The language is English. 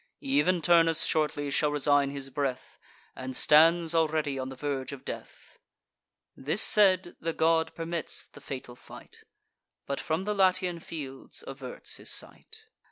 Ev'n Turnus shortly shall resign his breath, And stands already on the verge of death." This said, the god permits the fatal fight, But from the Latian fields averts his sight.